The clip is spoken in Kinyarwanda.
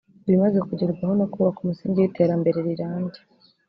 ibimaze kugerwaho no kubaka umusingi w’iterambere rirambye